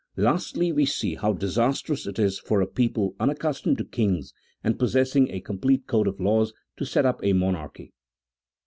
Lastly, we see how disastrous it is for a people un accustomed to kings, and possessing a complete code of laws, to set up a monarchy.